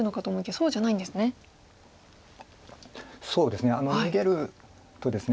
そうですね逃げるとですね